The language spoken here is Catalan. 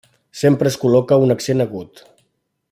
Sempre es col·loca un accent agut.